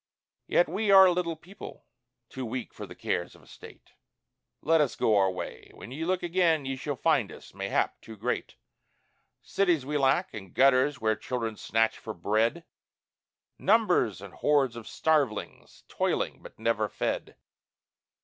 "Yet we are a little people too weak for the cares of state!" Let us go our way! When ye look again, ye shall find us, mayhap, too great. Cities we lack and gutters where children snatch for bread; Numbers and hordes of starvelings, toiling but never fed.